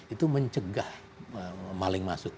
itu mencegah maling masuk